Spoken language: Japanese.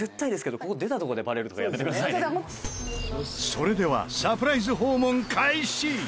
それではサプライズ訪問開始！